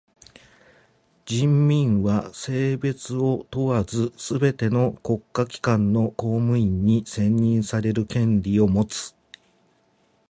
人民は性別を問わずすべての国家機関の公務員に選任される権利をもつ。